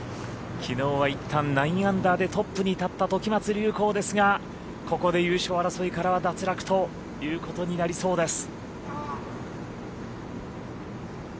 きのうはいったん９アンダーでトップに立った時松隆光ですがここで優勝争いからは脱落ということになりそうです。